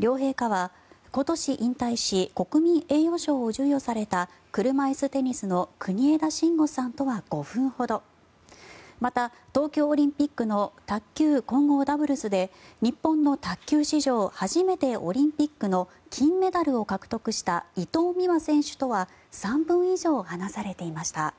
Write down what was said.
両陛下は、今年引退し国民栄誉賞を授与された車いすテニスの国枝慎吾さんとは５分ほどまた、東京オリンピックの卓球混合ダブルスで日本の卓球史上初めてオリンピックの金メダルを獲得した伊藤美誠選手とは３分以上話されていました。